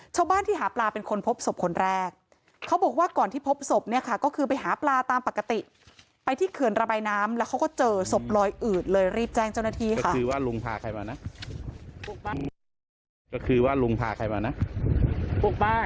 ชาวบ้านที่หาปลาเป็นคนพบศพคนแรกเขาบอกว่าก่อนที่พบศพเนี่ยค่ะก็คือไปหาปลาตามปกติไปที่เขื่อนระบายน้ำแล้วเขาก็เจอศพลอยอืดเลยรีบแจ้งเจ้าหน้าที่ค่ะคือว่าลุงพาใครมานะ